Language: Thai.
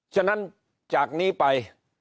ฉะนั้นจากนี้ไป